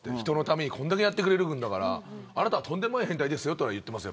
人のためにこんだけやってくれるんだからあなたはとんでもない変態ですよって